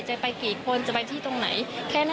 จะไปกี่คนจะไปที่ตรงไหนแค่นั่นเองค่ะ